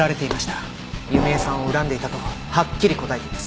弓江さんを恨んでいたとはっきり答えています。